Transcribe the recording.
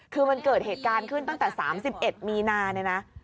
คือมันเกิดเหตุการณ์ขึ้นตั้งแต่๓๑มีนาเนี่ยนะ